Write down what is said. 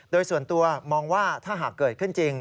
โดยส่วนตัวมองว่าถ้าหากเกิดขึ้นจริง